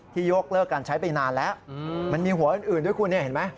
ยกเลิกการใช้ไปนานแล้วมันมีหัวอื่นด้วยคุณเนี่ยเห็นไหม